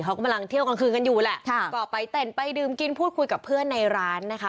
เขากำลังเที่ยวกลางคืนกันอยู่แหละค่ะก็ไปเต้นไปดื่มกินพูดคุยกับเพื่อนในร้านนะคะ